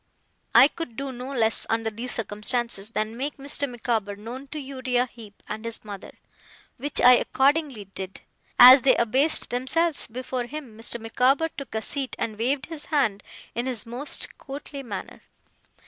I could do no less, under these circumstances, than make Mr. Micawber known to Uriah Heep and his mother; which I accordingly did. As they abased themselves before him, Mr. Micawber took a seat, and waved his hand in his most courtly manner.